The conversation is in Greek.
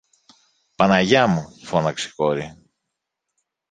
Παναγιά μου! φώναξε η κόρη.